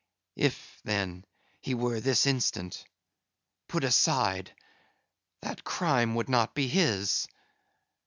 If, then, he were this instant—put aside, that crime would not be his.